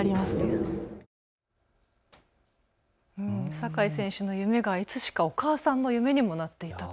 酒井選手の夢がいつしかお母さんの夢にもなっていたと。